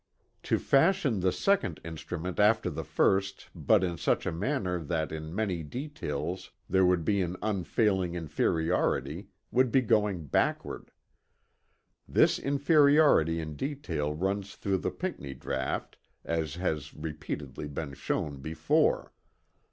To fashion the second instrument after the first but in such a manner that in many details there would be an unfailing inferiority would be a going backward. This inferiority in detail runs through the Pinckney draught as has repeatedly been shown before.